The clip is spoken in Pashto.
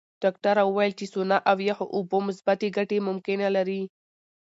ډاکټره وویل چې سونا او یخو اوبو مثبتې ګټې ممکنه لري.